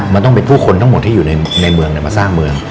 มันต้องเป็นผู้คนทั้งหมดที่อยู่ในเมืองมาสร้างเมือง